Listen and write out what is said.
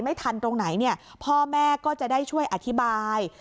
ไม่ทันตรงไหนเนี่ยพ่อแม่ก็จะได้ช่วยอธิบาย